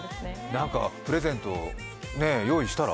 何かプレゼント用意したら？